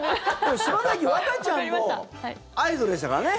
和歌ちゃんもアイドルでしたからね。